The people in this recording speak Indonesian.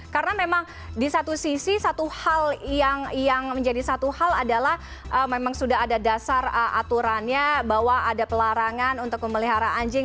karena memang di satu sisi satu hal yang menjadi satu hal adalah memang sudah ada dasar aturannya bahwa ada pelarangan untuk memelihara anjing